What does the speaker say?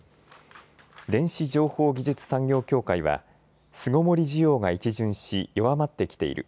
電子情報技術産業協会は巣ごもり需要が一巡し弱まってきている。